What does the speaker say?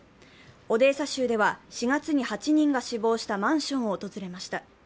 オデーサ州では４月に８人が死亡したマンションを訪れました。